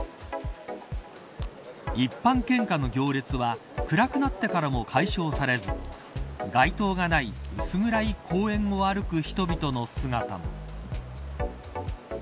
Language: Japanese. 一般献花の行列は暗くなってからも解消されず街灯がない薄暗い公園を歩く人々の姿も。